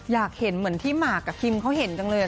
อยากเห็นเหมือนที่หมากกับคิมเขาเห็นจังเลย